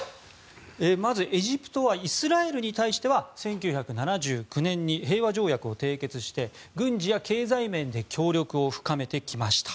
まず、エジプトはイスラエルに対しては１９７９年に平和条約を締結して軍事や経済面で協力を深めてきました。